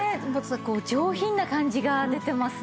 上品な感じが出てますね。